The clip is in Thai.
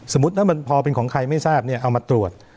น้ำมันพอเป็นของใครไม่ทราบเนี่ยเอามาตรวจ